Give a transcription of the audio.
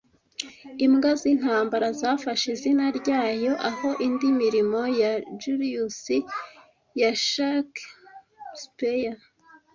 Imbwa z'Intambara zafashe izina ryayo aho indi mirimo ya Julius ya Shakespeare